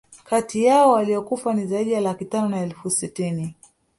Kati yao waliokufa ni zaidi ya laki tano na elfu sitini